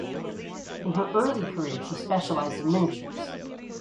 In her early career she specialized in miniatures.